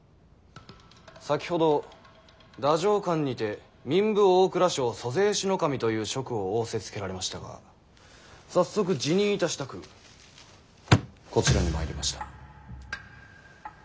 先ほど太政官にて民部・大蔵省租税司の正という職を仰せつけられましたが早速辞任いたしたくこちらに参りました。